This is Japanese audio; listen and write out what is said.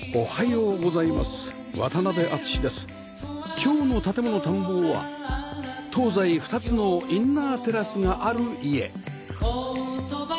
今日の『建もの探訪』は東西２つのインナーテラスがある家